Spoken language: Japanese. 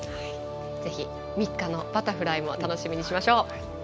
ぜひ３日のバタフライも楽しみにしましょう。